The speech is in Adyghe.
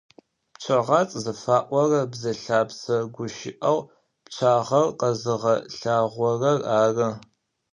ПчъэгъацӀ зыфаӀорэр бзэ лъэпсэ гущыӏэу пчъагъэр къэзыгъэлъагъорэр ары.